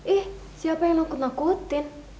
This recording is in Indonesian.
ih siapa yang nakut nakutin